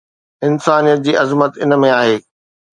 انسانيت جي عظمت ان ۾ آهي